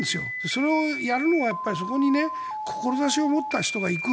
それをやるのはそこに志を持った人が行く。